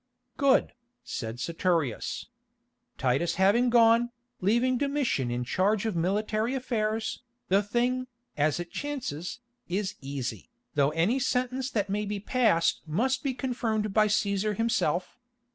"Good," said Saturius. "Titus having gone, leaving Domitian in charge of military affairs, the thing, as it chances, is easy, though any sentence that may be passed must be confirmed by Cæsar himself.